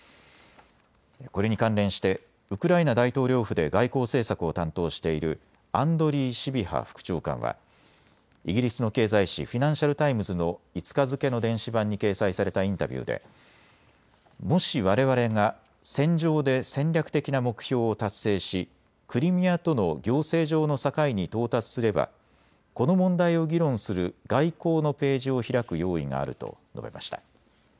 これに関連してウクライナ大統領府で外交政策を担当しているアンドリー・シビハ副長官はイギリスの経済紙、フィナンシャル・タイムズの５日付けの電子版に掲載されたインタビューでもし、われわれが戦場で戦略的な目標を達成しクリミアとの行政上の境に到達すればこの問題を議論する外交のページを開く用意があると述べました。